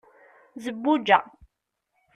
zebbuǧa